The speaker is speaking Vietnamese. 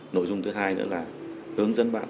nội dung thứ hai nữa là hướng dẫn bạn